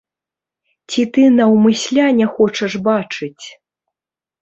Ці ты наўмысля не хочаш бачыць?